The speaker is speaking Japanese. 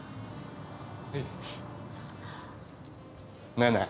ねえねえ